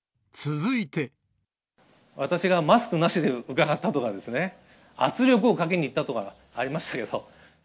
私がマスクなしで伺ったとか、圧力をかけに行ったとかありましたけど。